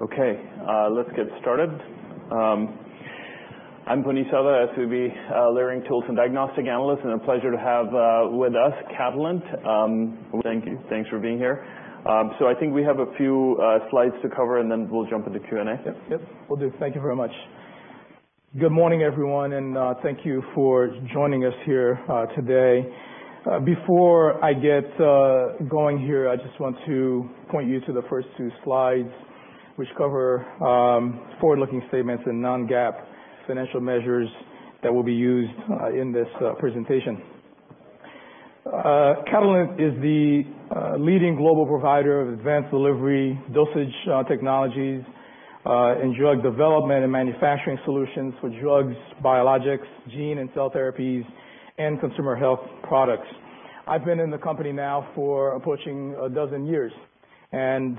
Okay. Let's get started. I'm Puneet Souda, SVB Leerink Tools and Diagnostics Analyst, and a pleasure to have with us Catalent. Thank you. Thanks for being here. So I think we have a few slides to cover, and then we'll jump into Q&A. Yep. Yep. Will do. Thank you very much. Good morning, everyone, and thank you for joining us here today. Before I get going here, I just want to point you to the first two slides, which cover forward-looking statements and non-GAAP financial measures that will be used in this presentation. Catalent is the leading global provider of advanced delivery dosage technologies in drug development and manufacturing solutions for drugs, biologics, gene and cell therapies, and consumer health products. I've been in the company now for approaching a dozen years, and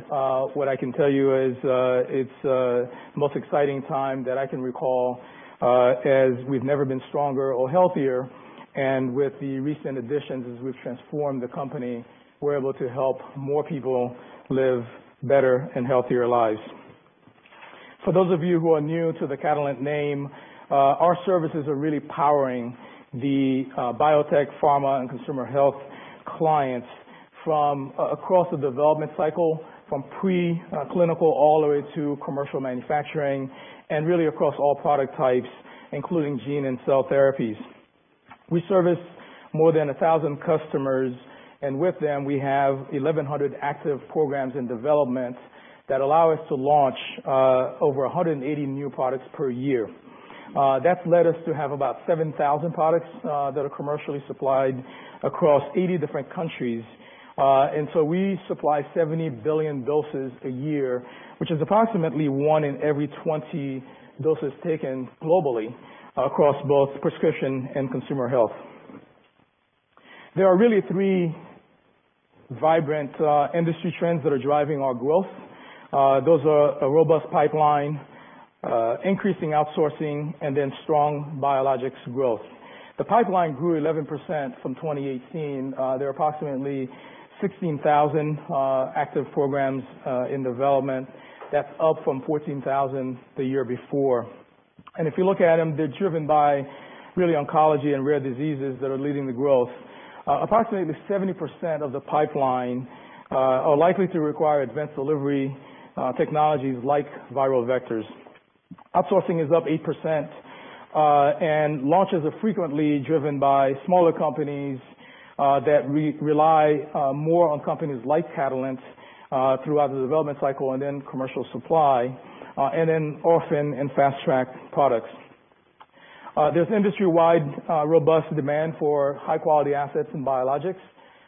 what I can tell you is, it's the most exciting time that I can recall, as we've never been stronger or healthier. With the recent additions, as we've transformed the company, we're able to help more people live better and healthier lives. For those of you who are new to the Catalent name, our services are really powering the biotech, pharma, and consumer health clients from across the development cycle, from pre-clinical all the way to commercial manufacturing, and really across all product types, including gene and cell therapies. We service more than 1,000 customers, and with them, we have 1,100 active programs in development that allow us to launch over 180 new products per year. That's led us to have about 7,000 products that are commercially supplied across 80 different countries. And so we supply 70 billion doses a year, which is approximately one in every 20 doses taken globally across both prescription and consumer health. There are really three vibrant industry trends that are driving our growth. Those are a robust pipeline, increasing outsourcing, and then strong biologics growth. The pipeline grew 11% from 2018. There are approximately 16,000 active programs in development. That's up from 14,000 the year before. And if you look at them, they're driven by really oncology and rare diseases that are leading the growth. Approximately 70% of the pipeline are likely to require advanced delivery technologies like viral vectors. Outsourcing is up 8%, and launches are frequently driven by smaller companies that rely more on companies like Catalent throughout the development cycle and then commercial supply, and then often in fast-track products. There's industry-wide robust demand for high-quality assets and biologics.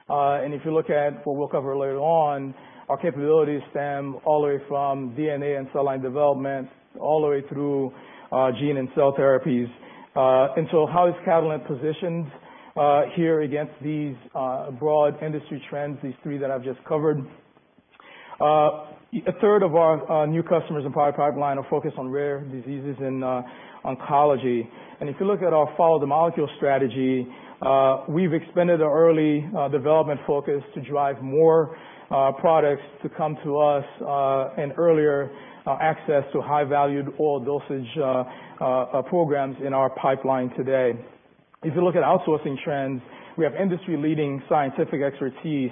And if you look at, well, we'll cover later on, our capabilities stem all the way from DNA and cell line development all the way through gene and cell therapies. And so how is Catalent positioned here against these broad industry trends, these three that I've just covered? A third of our new customers in the prior pipeline are focused on rare diseases and oncology. And if you look at our follow-the-molecule strategy, we've expanded our early development focus to drive more products to come to us, and earlier access to high-valued oral dosage programs in our pipeline today. If you look at outsourcing trends, we have industry-leading scientific expertise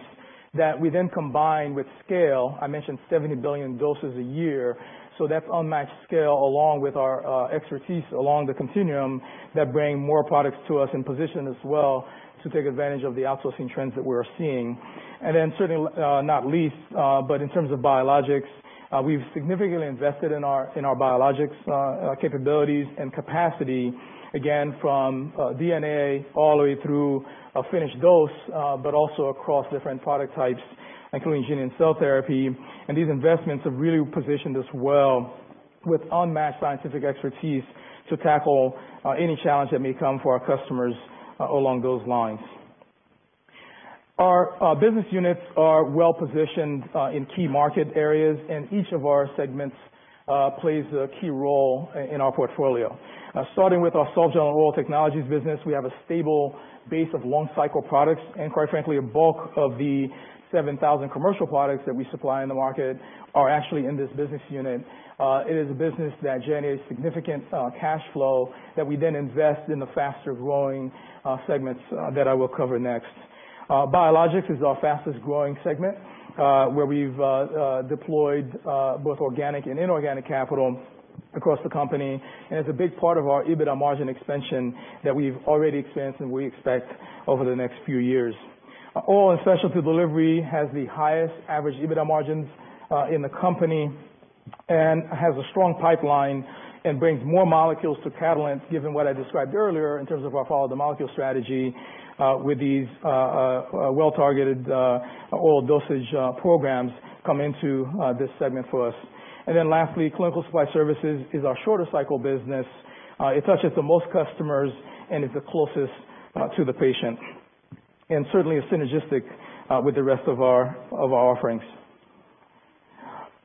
that we then combine with scale. I mentioned 70 billion doses a year. So that's unmatched scale along with our expertise along the continuum that bring more products to us in position as well to take advantage of the outsourcing trends that we're seeing. And then certainly not least, but in terms of biologics, we've significantly invested in our biologics capabilities and capacity, again from DNA all the way through a finished dose, but also across different product types, including gene and cell therapy. And these investments have really positioned us well with unmatched scientific expertise to tackle any challenge that may come for our customers, along those lines. Our business units are well-positioned in key market areas, and each of our segments plays a key role in our portfolio. Starting with our Softgel and Oral Technologies business, we have a stable base of long-cycle products. And quite frankly, a bulk of the 7,000 commercial products that we supply in the market are actually in this business unit. It is a business that generates significant cash flow that we then invest in the faster-growing segments that I will cover next. Biologics is our fastest-growing segment, where we've deployed both organic and inorganic capital across the company. And it's a big part of our EBITDA margin expansion that we've already experienced and we expect over the next few years. Oral and Specialty Delivery has the highest average EBITDA margins in the company and has a strong pipeline and brings more molecules to Catalent, given what I described earlier in terms of our follow-the-molecule strategy, with these well-targeted oral dosage programs come into this segment for us, and then lastly, Clinical Supply Services is our shorter-cycle business. It touches the most customers, and it's the closest to the patient and certainly is synergistic with the rest of our offerings.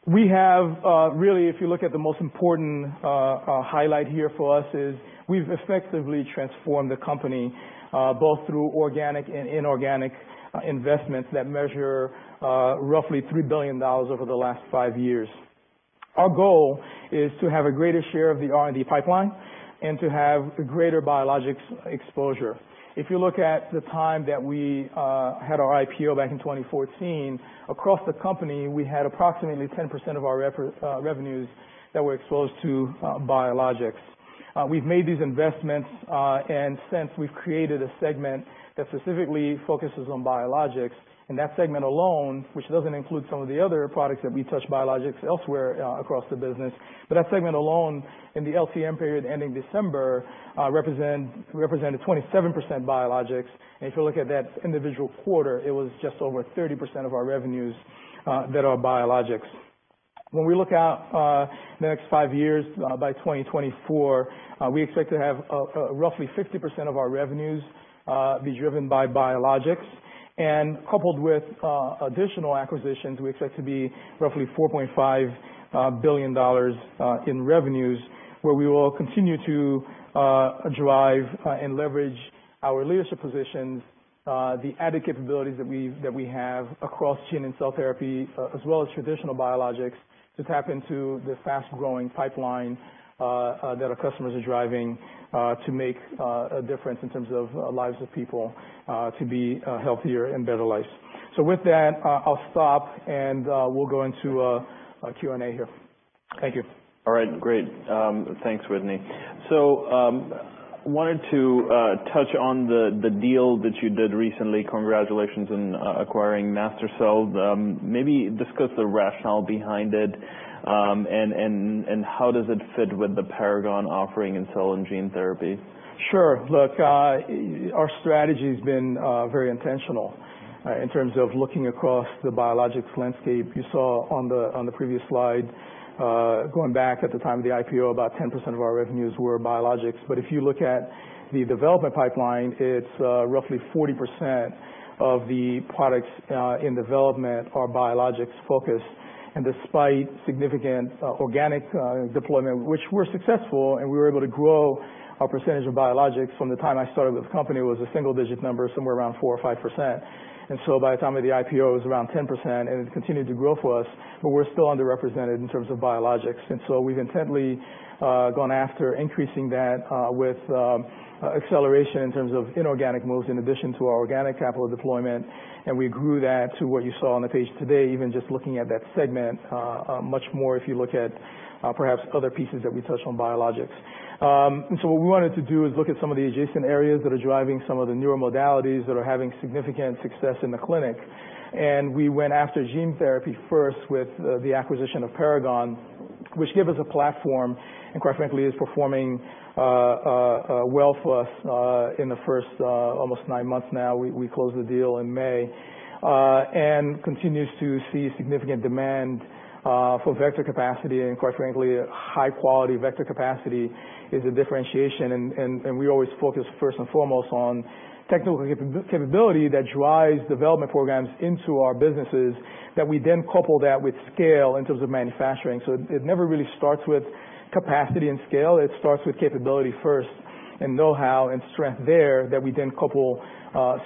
We have really, if you look at the most important highlight here for us, is we've effectively transformed the company both through organic and inorganic investments that measure roughly $3 billion over the last five years. Our goal is to have a greater share of the R&D pipeline and to have a greater biologics exposure. If you look at the time that we had our IPO back in 2014, across the company, we had approximately 10% of our reported revenues that were exposed to biologics. We've made these investments, and since we've created a segment that specifically focuses on biologics. And that segment alone, which doesn't include some of the other products that we touch biologics elsewhere, across the business, but that segment alone in the LTM period ending December, represented 27% biologics. And if you look at that individual quarter, it was just over 30% of our revenues that are biologics. When we look out the next five years, by 2024, we expect to have roughly 50% of our revenues be driven by biologics. And coupled with additional acquisitions, we expect to be roughly $4.5 billion in revenues, where we will continue to drive and leverage our leadership positions, the added capabilities that we have across gene and cell therapy, as well as traditional biologics, to tap into the fast-growing pipeline that our customers are driving to make a difference in terms of lives of people to be healthier and better lives. So with that, I'll stop, and we'll go into Q&A here. Thank you. All right. Great. Thanks, Wetteny. So, wanted to touch on the deal that you did recently. Congratulations on acquiring MaSTherCell. Maybe discuss the rationale behind it, and how does it fit with the Paragon offering in cell and gene therapy? Sure. Look, our strategy's been very intentional in terms of looking across the biologics landscape. You saw on the previous slide, going back at the time of the IPO, about 10% of our revenues were biologics. But if you look at the development pipeline, it's roughly 40% of the products in development are biologics-focused. And despite significant organic deployment, which we're successful, and we were able to grow our percentage of biologics from the time I started with the company, it was a single-digit number, somewhere around 4 or 5%. And so by the time of the IPO, it was around 10%, and it continued to grow for us, but we're still underrepresented in terms of biologics. And so we've intently gone after increasing that, with acceleration in terms of inorganic moves in addition to our organic capital deployment. And we grew that to what you saw on the page today, even just looking at that segment, much more if you look at, perhaps other pieces that we touch on biologics. And so what we wanted to do is look at some of the adjacent areas that are driving some of the newer modalities that are having significant success in the clinic. And we went after gene therapy first with the acquisition of Paragon, which gave us a platform and quite frankly is performing well for us in the first almost nine months now. We closed the deal in May, and continues to see significant demand for vector capacity. And quite frankly, high-quality vector capacity is a differentiation. And we always focus first and foremost on technical capability that drives development programs into our businesses that we then couple that with scale in terms of manufacturing. So it never really starts with capacity and scale. It starts with capability first and know-how and strength there that we then couple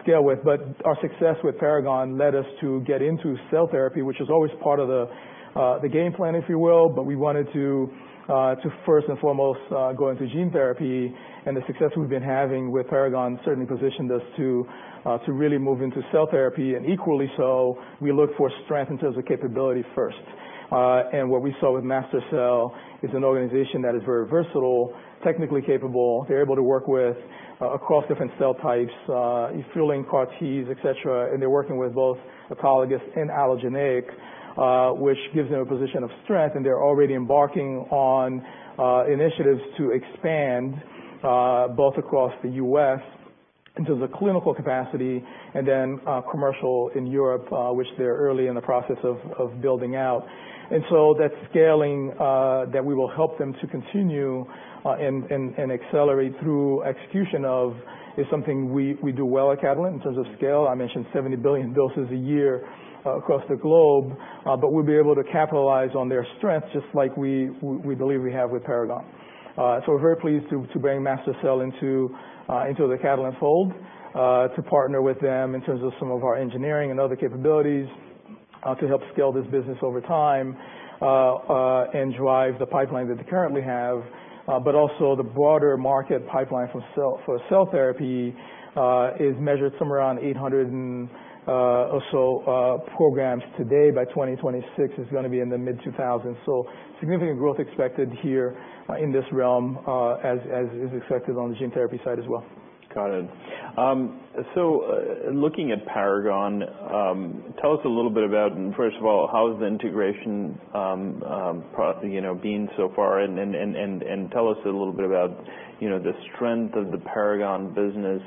scale with. But our success with Paragon led us to get into cell therapy, which is always part of the game plan, if you will. But we wanted to first and foremost go into gene therapy. And the success we've been having with Paragon certainly positioned us to really move into cell therapy. And equally so, we look for strength in terms of capability first and what we saw with MaSTherCell is an organization that is very versatile, technically capable. They're able to work with across different cell types, including CAR-Ts, etc. And they're working with both autologous and allogeneic, which gives them a position of strength. And they're already embarking on initiatives to expand both across the U.S. in terms of clinical capacity and then commercial in Europe, which they're early in the process of building out. And so that scaling that we will help them to continue and accelerate through execution of is something we do well at Catalent in terms of scale. I mentioned 70 billion doses a year across the globe, but we'll be able to capitalize on their strength just like we believe we have with Paragon, so we're very pleased to bring MaSTherCell into the Catalent fold, to partner with them in terms of some of our engineering and other capabilities, to help scale this business over time, and drive the pipeline that they currently have. but also the broader market pipeline for cell therapy is measured somewhere around 800 or so programs today. By 2026, it's gonna be in the mid-2000. So significant growth expected here, in this realm, as is expected on the gene therapy side as well. Got it. So, looking at Paragon, tell us a little bit about, first of all, how's the integration progress, you know, been so far. And tell us a little bit about, you know, the strength of the Paragon business,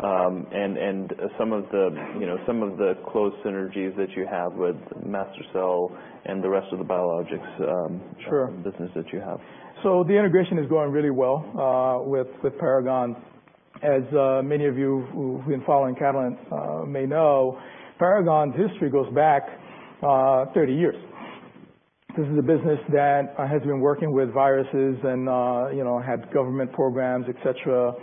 and some of the, you know, some of the close synergies that you have with MaSTherCell and the rest of the biologics. Sure. Business that you have. So the integration is going really well with Paragon. As many of you who've been following Catalent may know, Paragon's history goes back 30 years. This is a business that has been working with viruses and, you know, had government programs, etc.,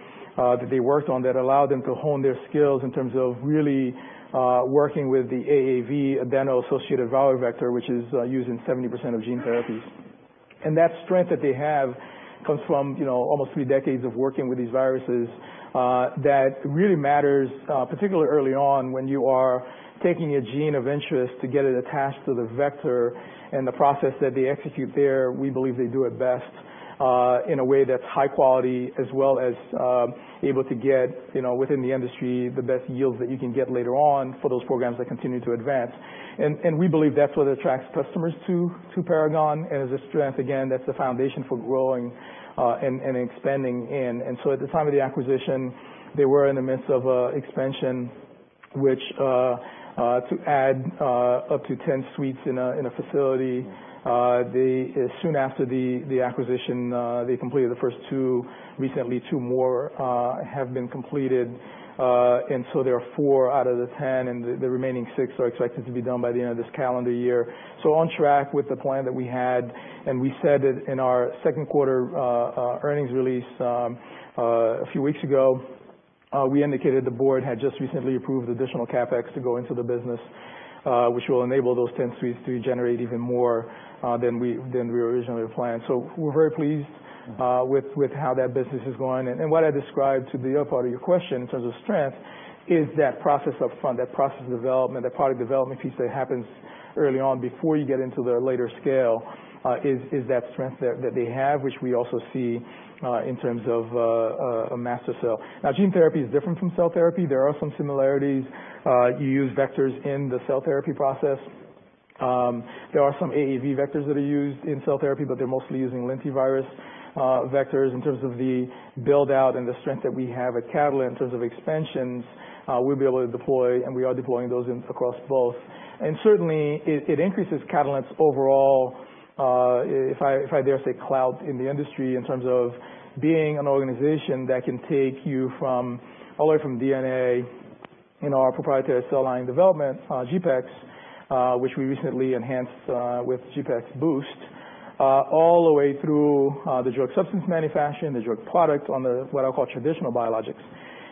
that they worked on that allowed them to hone their skills in terms of really working with the AAV, adeno-associated viral vector, which is used in 70% of gene therapies. And that strength that they have comes from, you know, almost three decades of working with these viruses, that really matters, particularly early on when you are taking a gene of interest to get it attached to the vector. The process that they execute there, we believe they do it best, in a way that's high quality as well as able to get, you know, within the industry, the best yields that you can get later on for those programs that continue to advance. We believe that's what attracts customers to Paragon. As a strength, again, that's the foundation for growing and expanding in. So at the time of the acquisition, they were in the midst of expansion, which to add up to 10 suites in a facility. As soon after the acquisition, they completed the first two. Recently, two more have been completed. So there are four out of the 10, and the remaining six are expected to be done by the end of this calendar year. are on track with the plan that we had, and we said that in our second quarter earnings release a few weeks ago, we indicated the board had just recently approved additional CapEx to go into the business, which will enable those 10 suites to generate even more than we originally planned. We are very pleased with how that business is going. And what I described to the other part of your question in terms of strength is that process upfront, that process development, that product development piece that happens early on before you get into the later scale, is that strength there, that they have, which we also see in terms of a MaSTherCell. Now, gene therapy is different from cell therapy. There are some similarities. You use vectors in the cell therapy process. There are some AAV vectors that are used in cell therapy, but they're mostly using lentivirus vectors in terms of the buildout and the strength that we have at Catalent in terms of expansions. We'll be able to deploy, and we are deploying those in across both. Certainly, it increases Catalent's overall, if I dare say, clout in the industry in terms of being an organization that can take you from all the way from DNA in our proprietary cell line development, GPEX, which we recently enhanced with GPEX Boost, all the way through the drug substance manufacturing, the drug product on the what I'll call traditional biologics.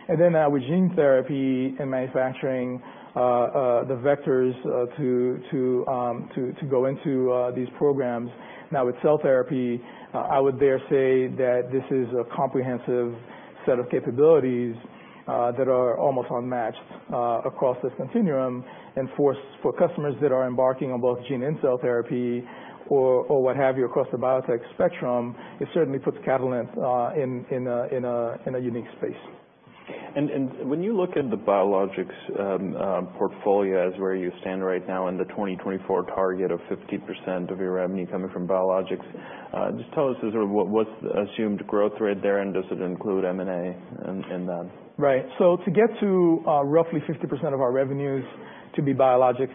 Then now with gene therapy and manufacturing, the vectors to go into these programs. Now with cell therapy, I would dare say that this is a comprehensive set of capabilities that are almost unmatched across this continuum and for customers that are embarking on both gene and cell therapy or what have you across the biotech spectrum. It certainly puts Catalent in a unique space. When you look at the biologics portfolio and where you stand right now and the 2024 target of 50% of your revenue coming from biologics, just tell us sort of what's the assumed growth rate there? And does it include M&A in that? Right. So to get to roughly 50% of our revenues to be biologics,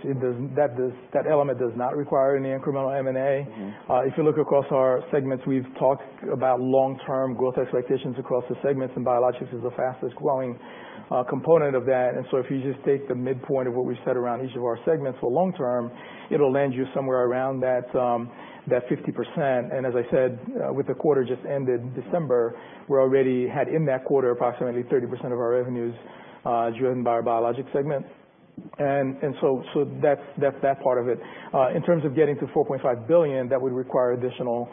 that element does not require any incremental M&A. Mm-hmm. If you look across our segments, we've talked about long-term growth expectations across the segments, and biologics is the fastest growing component of that. And so if you just take the midpoint of what we've set around each of our segments for long-term, it'll land you somewhere around that 50%. And as I said, with the quarter just ended in December, we already had in that quarter approximately 30% of our revenues driven by our biologics segment. And so that's that part of it. In terms of getting to $4.5 billion, that would require additional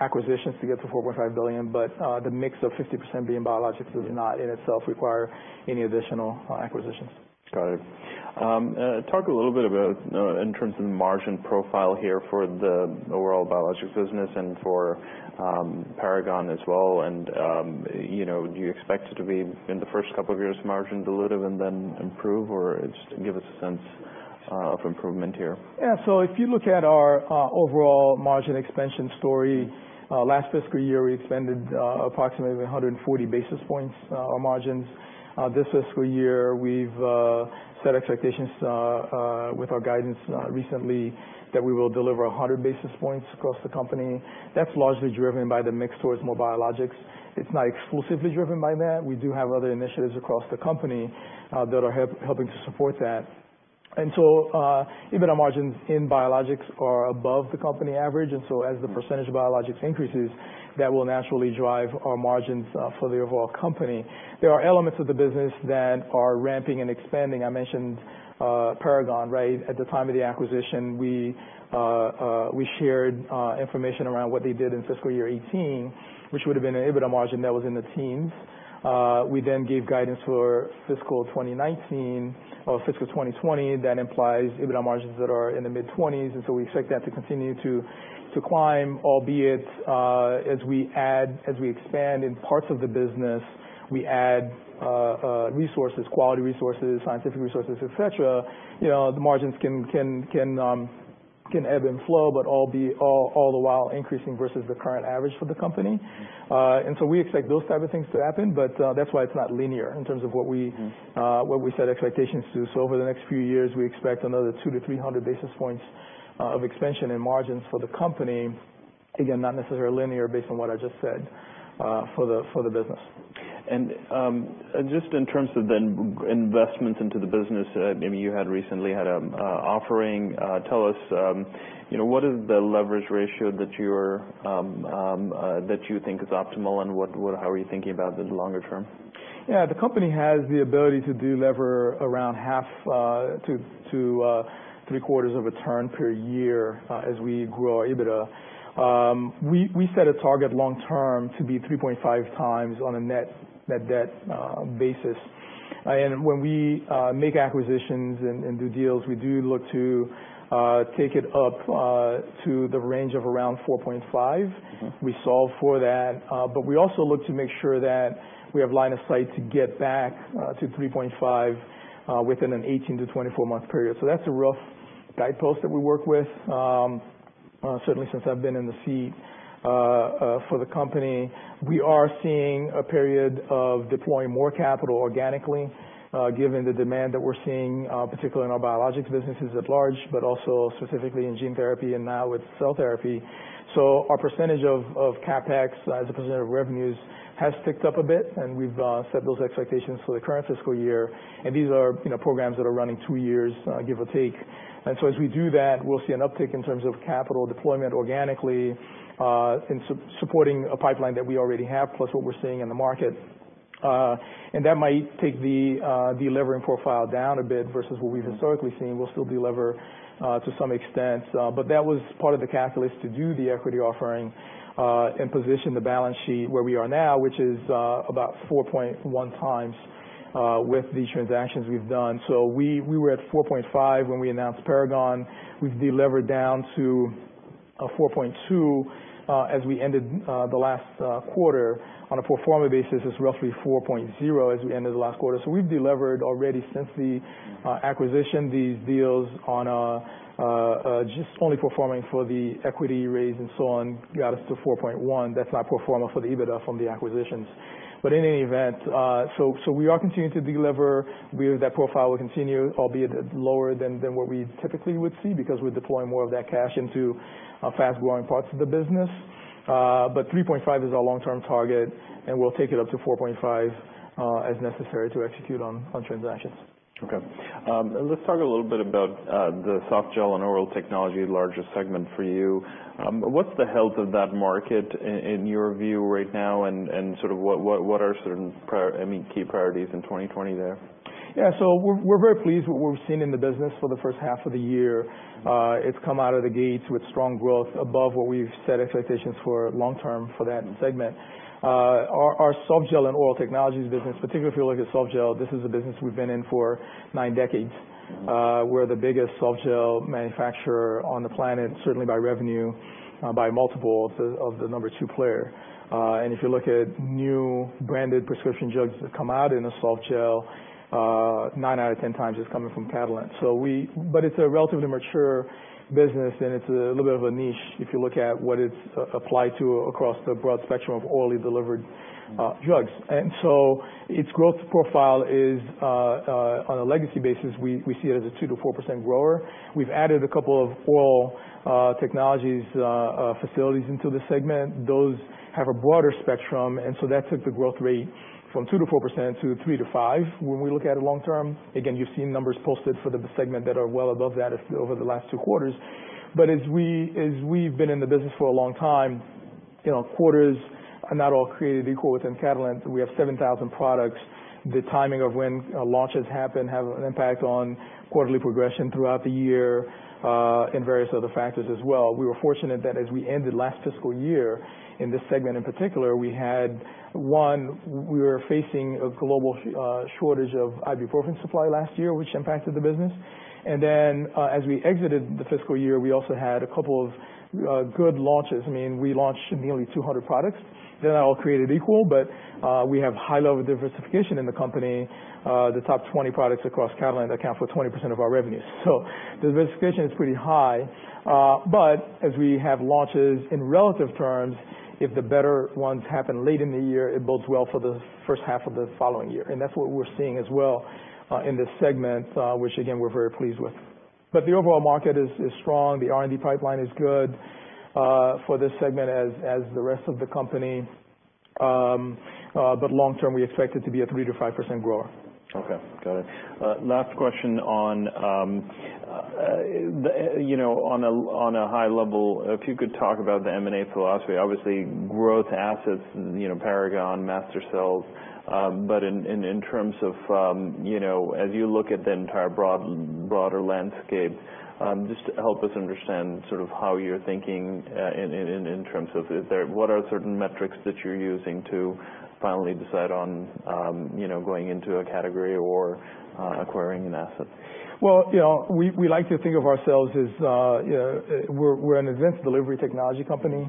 acquisitions to get to $4.5 billion. But the mix of 50% being biologics does not in itself require any additional acquisitions. Got it. Talk a little bit about, in terms of the margin profile here for the overall biologics business and for Paragon as well. And, you know, do you expect it to be in the first couple of years margin dilutive and then improve, or it's to give us a sense of improvement here? Yeah. So, if you look at our overall margin expansion story, last fiscal year, we expanded approximately 140 basis points our margins. This fiscal year, we've set expectations with our guidance recently that we will deliver 100 basis points across the company. That's largely driven by the mix towards more biologics. It's not exclusively driven by that. We do have other initiatives across the company that are helping to support that. And so, even our margins in biologics are above the company average. And so as the percentage of biologics increases, that will naturally drive our margins for the overall company. There are elements of the business that are ramping and expanding. I mentioned Paragon, right? At the time of the acquisition, we shared information around what they did in fiscal year 2018, which would've been an EBITDA margin that was in the teens. We then gave guidance for fiscal 2019 or fiscal 2020. That implies EBITDA margins that are in the mid-20s. And so we expect that to continue to climb, albeit, as we add, as we expand in parts of the business, resources, quality resources, scientific resources, etc., you know, the margins can ebb and flow, but, albeit, all the while increasing versus the current average for the company. And so we expect those type of things to happen. But that's why it's not linear in terms of what we set expectations to. So over the next few years, we expect another 200 to 300 basis points of expansion in margins for the company. Again, not necessarily linear based on what I just said, for the business. Just in terms of then investments into the business, maybe you had recently had an offering. Tell us, you know, what is the leverage ratio that you are, that you think is optimal and what, how are you thinking about the longer term? Yeah. The company has the ability to do lever around half to three quarters of a turn per year, as we grow our EBITDA. We set a target long-term to be 3.5 times on a net debt basis. And when we make acquisitions and do deals, we do look to take it up to the range of around 4.5. Mm-hmm. We solve for that. But we also look to make sure that we have line of sight to get back to 3.5 within an 18- to 24-month period. So that's a rough guidepost that we work with. Certainly since I've been in the seat for the company, we are seeing a period of deploying more capital organically, given the demand that we're seeing, particularly in our biologics businesses at large, but also specifically in gene therapy and now with cell therapy. So our percentage of CapEx as a percentage of revenues has ticked up a bit, and we've set those expectations for the current fiscal year. And these are, you know, programs that are running two years, give or take. And so as we do that, we'll see an uptick in terms of capital deployment organically, in supporting a pipeline that we already have, plus what we're seeing in the market. And that might take the leverage profile down a bit versus what we've historically seen. We'll still deliver, to some extent. But that was part of the calculus to do the equity offering, and position the balance sheet where we are now, which is about 4.1 times, with the transactions we've done. So we were at 4.5 when we announced Paragon. We've delivered down to 4.2 as we ended the last quarter. On a pro forma basis, it's roughly 4.0 as we ended the last quarter. So we've delivered already since the acquisition. These deals on just only performing for the equity raise and so on got us to 4.1. That's not pro forma for the EBITDA from the acquisitions, but in any event, so we are continuing to deliver. We have that profile will continue, albeit lower than what we typically would see because we're deploying more of that cash into fast growing parts of the business, but 3.5 is our long-term target, and we'll take it up to 4.5, as necessary to execute on transactions. Okay. Let's talk a little bit about the Softgel and Oral Technology, the largest segment for you. What's the health of that market in your view right now? And sort of what are, I mean, key priorities in 2020 there? Yeah. So we're very pleased with what we've seen in the business for the first half of the year. It's come out of the gates with strong growth above what we've set expectations for long-term for that segment. Our Softgel and Oral Technologies business, particularly if you look at softgel, this is a business we've been in for nine decades. We're the biggest softgel manufacturer on the planet, certainly by revenue, by multiples of the number two player. And if you look at new branded prescription drugs that come out in a softgel, 9 out of 10 times is coming from Catalent. So, but it's a relatively mature business, and it's a little bit of a niche if you look at what it's applied to across the broad spectrum of orally delivered drugs. Its growth profile is, on a legacy basis, we see it as a 2%-4% grower. We've added a couple of oral technologies facilities into the segment. Those have a broader spectrum. That took the growth rate from 2%-4% to 3%-5% when we look at it long-term. Again, you've seen numbers posted for the segment that are well above that over the last two quarters. But as we've been in the business for a long time, you know, quarters are not all created equal within Catalent. We have 7,000 products. The timing of when launches happen have an impact on quarterly progression throughout the year, and various other factors as well. We were fortunate that as we ended last fiscal year in this segment in particular, we had one, we were facing a global shortage of ibuprofen supply last year, which impacted the business, and then, as we exited the fiscal year, we also had a couple of good launches. I mean, we launched nearly 200 products. They're not all created equal, but we have high level of diversification in the company. The top 20 products across Catalent account for 20% of our revenues, so the diversification is pretty high, but as we have launches in relative terms, if the better ones happen late in the year, it bodes well for the first half of the following year, and that's what we're seeing as well in this segment, which again, we're very pleased with, but the overall market is strong. The R&D pipeline is good for this segment as the rest of the company, but long-term, we expect it to be a 3%-5% grower. Okay. Got it. Last question on, you know, on a high level, if you could talk about the M&A philosophy. Obviously, growth assets, you know, Paragon, MaSTherCell, but in terms of, you know, as you look at the entire broad, broader landscape, just help us understand sort of how you're thinking in terms of what are certain metrics that you're using to finally decide on, you know, going into a category or acquiring an asset? Well, you know, we like to think of ourselves as, you know, we're an advanced delivery technology company.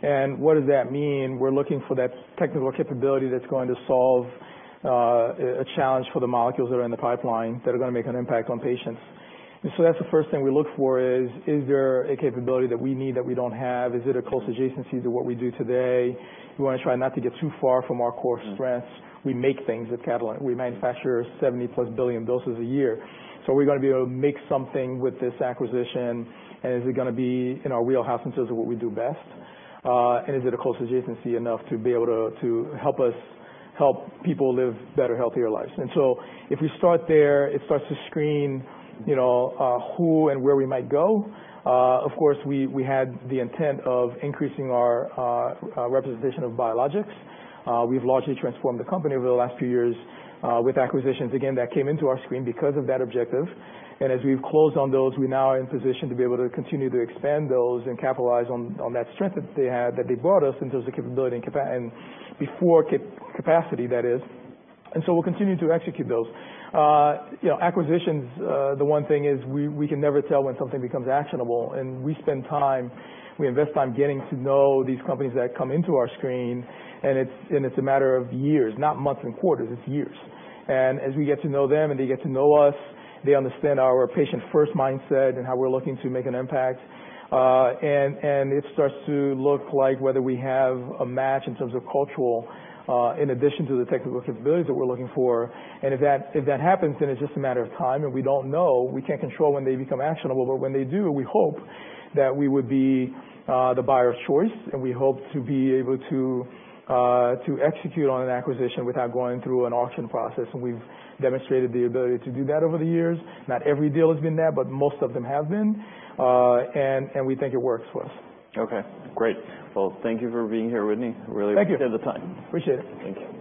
And what does that mean? We're looking for that technical capability that's going to solve a challenge for the molecules that are in the pipeline that are gonna make an impact on patients. And so that's the first thing we look for is there a capability that we need that we don't have? Is it a close adjacency to what we do today? We wanna try not to get too far from our core strengths. We make things at Catalent. We manufacture 70 plus billion doses a year. So are we gonna be able to make something with this acquisition? And is it gonna be in our wheelhouse in terms of what we do best? Is it a close adjacency enough to be able to help us help people live better, healthier lives? So if we start there, it starts to screen, you know, who and where we might go. Of course, we had the intent of increasing our representation of biologics. We've largely transformed the company over the last few years with acquisitions. Again, that came into our screen because of that objective. As we've closed on those, we now are in position to be able to continue to expand those and capitalize on that strength that they had, that they brought us in terms of capability and capacity, that is. So we'll continue to execute those. You know, acquisitions, the one thing is we can never tell when something becomes actionable. And we spend time, we invest time getting to know these companies that come into our screen. And it's a matter of years, not months and quarters. It's years. And as we get to know them and they get to know us, they understand our patient-first mindset and how we're looking to make an impact. And it starts to look like whether we have a match in terms of cultural, in addition to the technical capabilities that we're looking for. And if that happens, then it's just a matter of time. And we don't know, we can't control when they become actionable. But when they do, we hope that we would be the buyer of choice. And we hope to be able to execute on an acquisition without going through an auction process. And we've demonstrated the ability to do that over the years. Not every deal has been that, but most of them have been, and we think it works for us. Okay. Great. Well, thank you for being here, Wetteny. Really appreciate the time. Thank you. Appreciate it. Thank you.